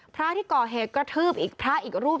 พระที่ก่อเหตุกระทืบอีกพระอีกรูป